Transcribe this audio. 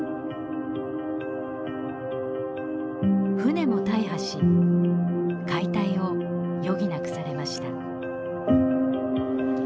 船も大破し解体を余儀なくされました。